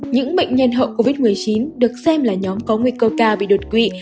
những bệnh nhân hậu covid một mươi chín được xem là nhóm có nguy cơ cao bị đột quỵ